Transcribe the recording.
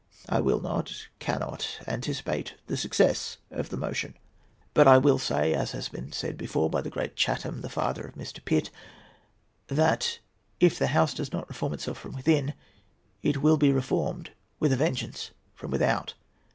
I will not, cannot, anticipate the success of the motion; but I will say, as has been said before by the great Chatham, the father of Mr. Pitt, that, if the House does not reform itself from within, it will be reformed with a vengeance from without.